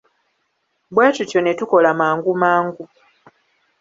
Bwe tutyo ne tukola mangu mangu.